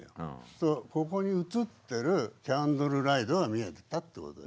ここに映ってるキャンドル・ライトが見えてたってこと。